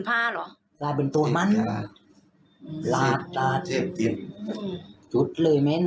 เอาเหลือผิดบ้างจำเดี๋ยวไว้อย่าง